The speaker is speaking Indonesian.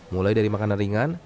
mulai dari makanan ringan